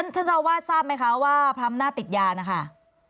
เจ้าวาดทราบไหมคะว่าพระอำนาจติดยานะคะ